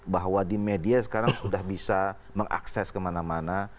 bahwa di media sekarang sudah bisa mengakses kemana mana